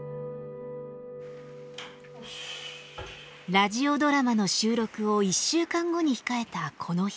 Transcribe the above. ラジオドラマの収録を１週間後に控えたこの日。